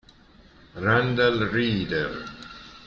Randal Reeder